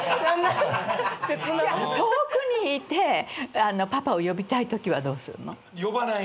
遠くにいてパパを呼びたいときはどうするの？